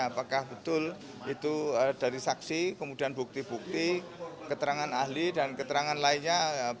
apakah betul itu dari saksi kemudian bukti bukti keterangan ahli dan keterangan lainnya